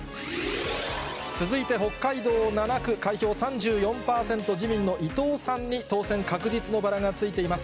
続いて、北海道７区、開票３４％、自民の伊東さんに当選確実のバラがついています。